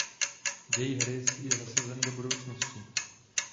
Děj hry je zasazen do budoucnosti.